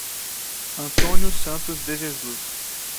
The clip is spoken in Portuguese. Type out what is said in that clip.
Antônio Santos de Jesus